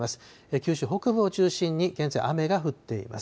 九州北部を中心に現在、雨が降っています。